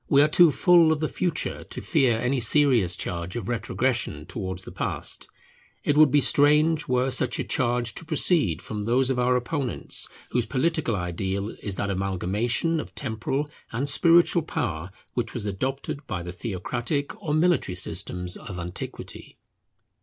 We are too full of the future to fear any serious charge of retrogression towards the past. It would be strange were such a charge to proceed from those of our opponents whose political ideal is that amalgamation of temporal and spiritual power which was adopted by the theocratic or military systems of antiquity.